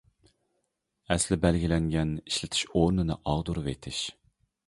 ئەسلى بەلگىلەنگەن ئىشلىتىش ئورنىنى ئاغدۇرۇۋېتىش.